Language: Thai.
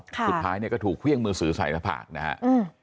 สุดท้ายก็ถูกเครื่องมือสือใส่และผากนะฮะ